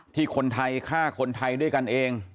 ที่คนไทยฆ่าคนไทยด้วยกันเอง